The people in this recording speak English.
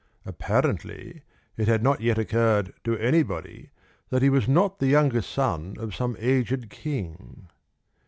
Apparently it had not yet occurred to anybody that he was not the younger son of some aged king.